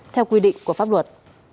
theo quy định của pháp luật